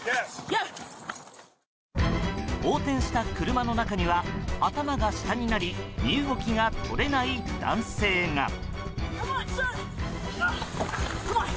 横転した車の中には頭が下になり身動きが取れない男性が。